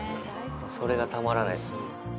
それがたまらないです。